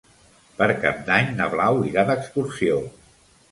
Per Cap d'Any na Blau irà d'excursió.